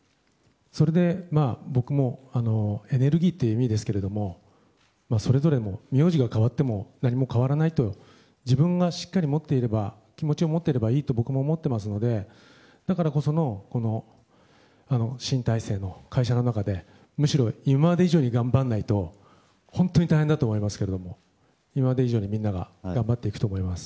それで、僕もエネルギーという意味ですけどそれぞれの名字が変わっても何も変わらないと自分がしっかり気持ちを持っていればいいと僕も思っていますのでだからこその新体制の会社の中でむしろ今まで以上に頑張らないと本当に大変だと思いますけれども今まで以上にみんなが頑張っていくと思います。